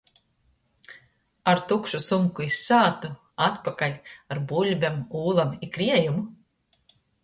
Ar tukšu sumku iz sātu, atpakaļ ar buļbem, ūlom i kriejumu.